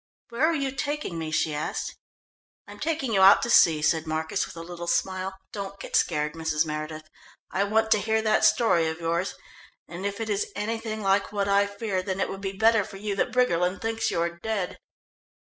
"Where are you taking me?" she asked. "I'm taking you out to sea," said Marcus with a little smile. "Don't get scared, Mrs. Meredith. I want to hear that story of yours, and if it is anything like what I fear, then it would be better for you that Briggerland thinks you are dead."